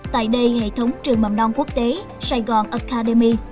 tại đây hệ thống trường mầm non quốc tế saigon academy